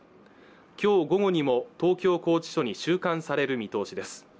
きょう午後にも東京拘置所に収監される見通しです